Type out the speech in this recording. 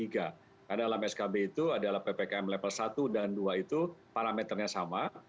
karena dalam skb itu adalah ppkm level satu dan dua itu parameternya sama